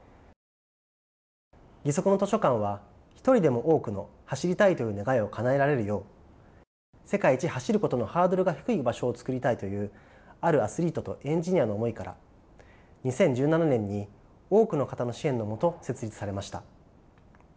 ギソクの図書館は一人でも多くの走りたいという願いをかなえられるよう世界一走ることのハードルが低い場所を作りたいというあるアスリートとエンジニアの思いから２０１７年に多くの方の支援の下設立されました。